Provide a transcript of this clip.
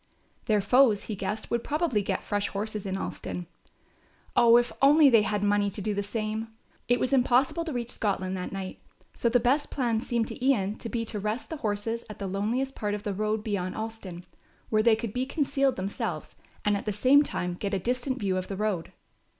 Their foes, he guessed, would probably get fresh horses in Alston. Oh, if only they had money to do the same! It was impossible to reach Scotland that night, so the best plan seemed to Ian to be to rest their horses at the loneliest part of the road beyond Alston, where they could be concealed themselves and at the same time get a distant view of the road.